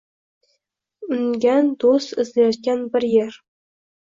Ungan do‘st izlayotgan bir er.